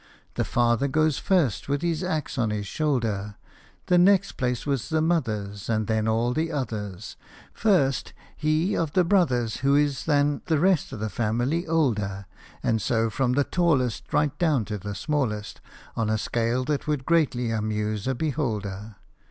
The father goes first with his axe on his shoulder, The next place was the mother's, And then all the others ; First he of the brothers Who is than the rest of the family older, And so from the tallest Right down to the smallest, On a scale that would greatly amuse a beholder.